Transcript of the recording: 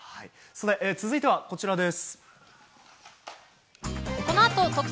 続いては、こちらです。